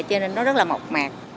cho nên nó rất là mộc mạc